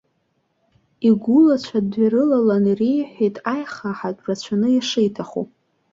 Игәылацәа дҩарылалан иреиҳәеит аихаҳатә рацәаны ишиҭаху.